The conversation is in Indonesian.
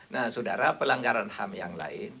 nah saudara pelanggaran ham yang lain